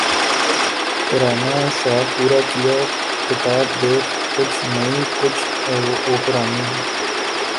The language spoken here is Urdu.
پرانا شوق پورا کیا ، کتاب دیکھ ، کچھ نئی ، کچھ و پرانی